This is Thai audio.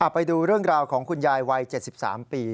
ไปดูเรื่องราวของคุณยายวัย๗๓ปี